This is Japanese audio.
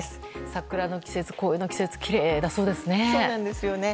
桜の季節、紅葉の季節きれいだそうですね。